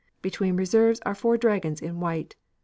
Between reserves are four dragons in white.